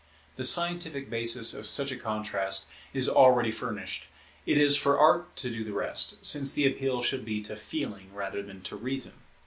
The scientific basis of such a contrast, is already furnished; it is for Art to do the rest, since the appeal should be to Feeling rather than to Reason.